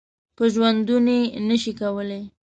په ژوندوني نه شي کولای .